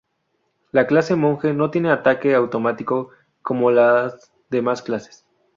La clase monje no tiene ataque automático como las demás clases.